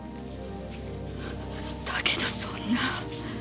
だけどそんな。